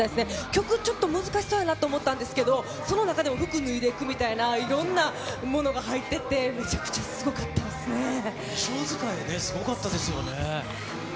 曲、ちょっと難しそうやなと思ったんですけど、その中でも服脱いでいくみたいな、いろんなものが入ってて、めちゃ衣装使いね、すごかったですよね。